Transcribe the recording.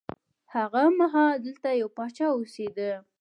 هغه مهال دلته یو پاچا اوسېده.